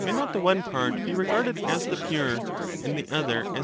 631 not the one part be regarded as the pure, and the other as PhiUbus.